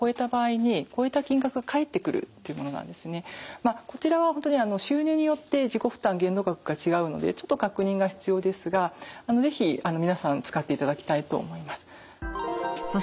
まずはこちらは収入によって自己負担限度額が違うのでちょっと確認が必要ですが是非皆さん使っていただきたいと思います。